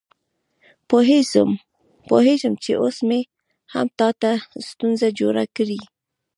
پوهېږم چې اوس مې هم تا ته ستونزه جوړه کړې.